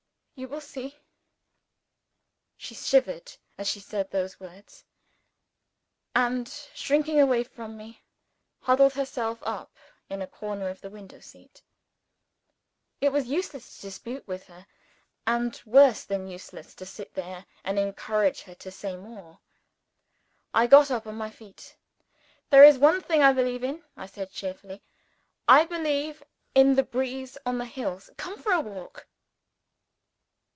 you will see!" She shivered as she said those words; and, shrinking away from me, huddled herself up in a corner of the window seat. It was useless to dispute with her; and worse than useless to sit there, and encourage her to say more. I got up on my feet. "There is one thing I believe in," I said cheerfully. "I believe in the breeze on the hills. Come for a walk!"